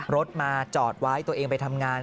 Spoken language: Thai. รถมาจอดไว้ตัวเองไปทำงาน